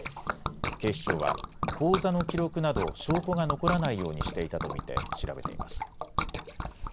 警視庁は口座の記録など証拠が残らないようにしていたと見て調べています。